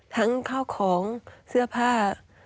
ทั้งข้าวของเสื้อผ้า